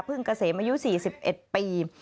พึ่งเกษมอายุ๔๑ปี